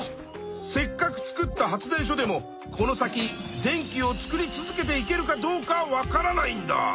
せっかく作った発電所でもこの先電気を作り続けていけるかどうかわからないんだ。